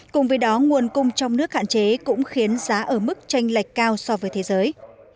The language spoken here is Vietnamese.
cùng với đó nguồn cung trong nước hạn chế cũng khiến giá ở mức tranh lệch cao so với thế giới